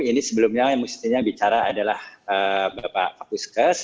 ini sebelumnya yang mestinya bicara adalah bapak kapuskes